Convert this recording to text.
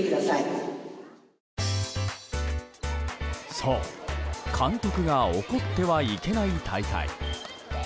そう監督が怒ってはいけない大会。